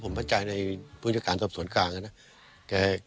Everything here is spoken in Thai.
ผมมั่นใจในพุทธศัพท์สวนกลางนะ